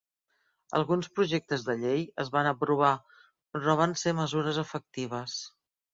Alguns projectes de llei es van aprovar, però no van ser mesures efectives.